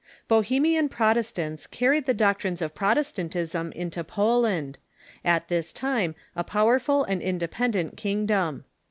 Bohemian Protestants carried the doctrines of Protestant ism into Poland, at this time a powerful and independent king „,_, dom.